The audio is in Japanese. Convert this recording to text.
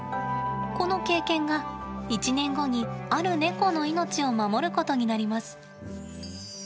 この経験が、１年後にある猫の命を守ることになります。